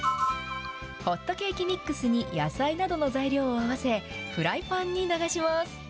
ホットケーキミックスに野菜などの材料を合わせ、フライパンに流します。